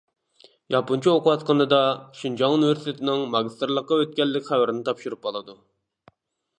ياپونچە ئوقۇۋاتقىنىدا شىنجاڭ ئۇنىۋېرسىتېتنىڭ ماگىستىرلىققا ئۆتكەنلىك خەۋىرىنى تاپشۇرۇپ ئالىدۇ.